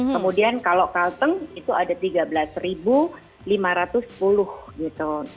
kemudian kalau kalteng itu ada tiga belas lima ratus sepuluh gitu